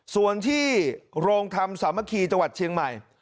ส่วนที่โรงธรรมสามัคคีจังหวัดเชียงใหม่